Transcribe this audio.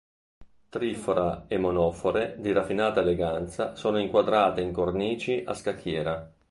Trifora e monofore, di raffinata eleganza, sono inquadrate in cornici a scacchiera.